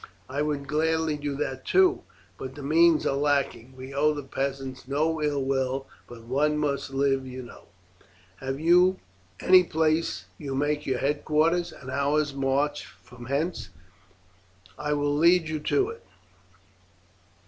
"I would gladly do that too, but the means are lacking. We owe the peasants no ill will, but one must live, you know." "Have you any place you make your headquarters?" "An hour's march from hence; I will lead you to it."